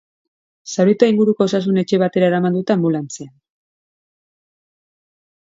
Zauritua inguruko osasun etxe batera eraman dute anbulantzian.